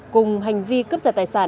cùng hành vi cướp giải tài sản